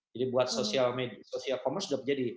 jadi buat social media social commerce sudah menjadi